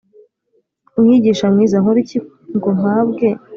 Mwigisha mwiza nkore cyiza ki ngo mpabwe